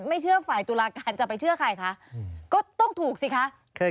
ไม่เชื่อฝ่ายตุลาการจะไปเชื่อใครคะก็ต้องถูกสิคะ